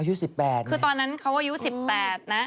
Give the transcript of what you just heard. อายุ๑๘คือตอนนั้นเขาอายุ๑๘นะ